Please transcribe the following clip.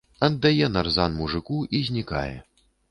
Аддае нарзан мужыку і знікае.